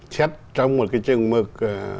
xét trong một cái trường mực